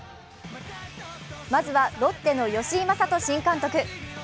まずはロッテの吉井理人新監督。